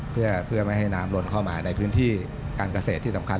เพื่อไม่ให้น้ำลนเข้ามาในพื้นที่การเกษตรที่สำคัญ